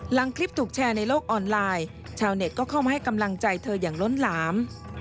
หลังคลิปถูกแชร์ในโลกออนไลน์ชาวเน็ตก็เข้ามาให้กำลังใจเธออย่างล้นหลาม